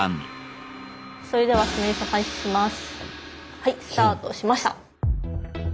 はいスタートしました。